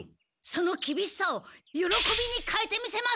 そのきびしさをよろこびにかえてみせます！